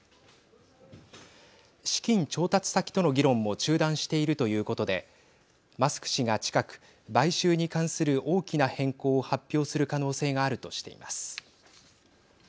資金調達先との議論も中断しているということでマスク氏が近く買収に関する大きな変更を発表する可能性があるとしています。